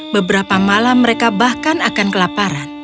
beberapa malam mereka bahkan akan kelaparan